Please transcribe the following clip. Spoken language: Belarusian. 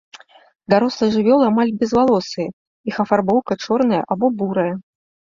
Дарослыя жывёлы амаль безвалосыя, іх афарбоўка чорная або бурая.